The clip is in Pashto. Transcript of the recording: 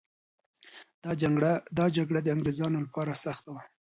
دا جګړه د انګریزانو لپاره سخته وه.